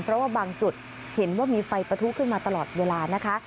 เพราะว่าบางจุดเห็นว่ามีไฟปะทุขึ้นมาตลอดเวลานะคะ